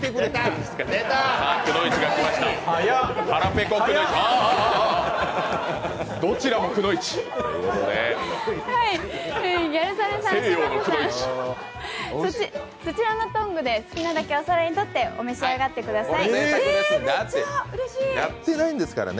ギャル曽根さん、嶋佐さん、そちらのトングで好きなだけお皿にとって召し上がってください。